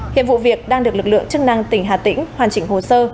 hiện vụ việc đang được lực lượng chức năng tỉnh hà tĩnh hoàn chỉnh hồ sơ